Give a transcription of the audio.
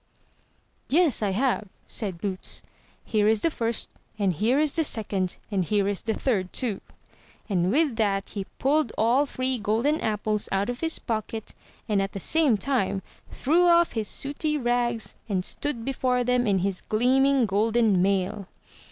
"Yes, I have," said Boots; "here is the first, and here is the second, and here is the third too;" and with that he pulled all three golden apples out of his pocket, and at the same time threw off his sooty rags, and stood before them in his gleaming golden mail.